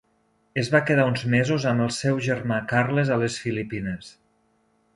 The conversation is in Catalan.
Es va quedar uns mesos amb al seu germà Carles a les Filipines.